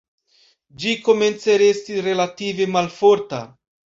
Ĝi komence restis relative malforta.